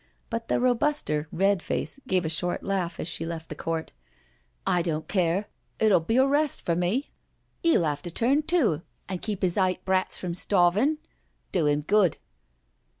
But the robuster Red face gave a short laugh as she left the court: " I don* care— it 'uU be a rest for me. 'E'll 'ave to turn to an* keep 'is eyght brats from starvin' — do 'im good."